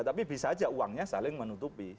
tapi bisa aja uangnya saling menutupi